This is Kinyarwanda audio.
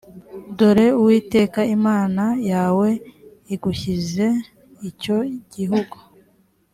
dore uwiteka imana yawe igushyize icyo gihugu